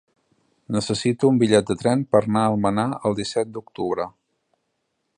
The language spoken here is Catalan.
Necessito un bitllet de tren per anar a Almenar el disset d'octubre.